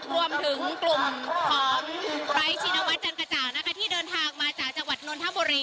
รวมถึงกลุ่มของไร้ชินวัฒนจันกระจ่างนะคะที่เดินทางมาจากจังหวัดนนทบุรี